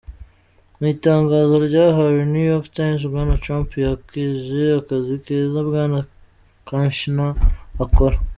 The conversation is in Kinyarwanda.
Mw'itangazo ryahawe New York Times, Bwana Trump yakeje "akazi keza" Bwana Kushner akora.